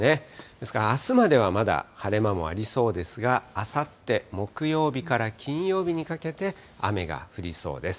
ですからあすまではまだ晴れ間もありそうですが、あさって木曜日から金曜日にかけて、雨が降りそうです。